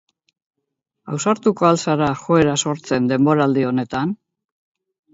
Ausartuko al zara joera sortzen denboraldi honetan?